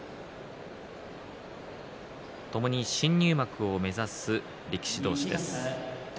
ともに新入幕を目指す力士同士です。